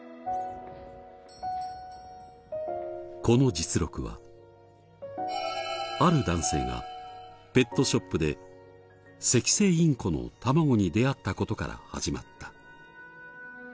この実録はある男性がペットショップでセキセイインコの卵に出会った事から始まった。